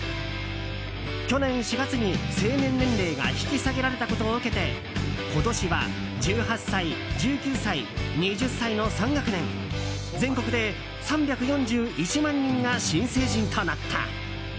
去年４月に成年年齢が引き下げられたことを受けて今年は１８歳、１９歳、２０歳の３学年全国で３４１万人が新成人となった。